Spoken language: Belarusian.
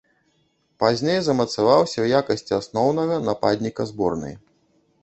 Пазней замацаваўся ў якасці асноўнага нападніка зборнай.